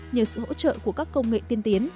nhờ sự hỗ trợ của các công nghệ tiên tiến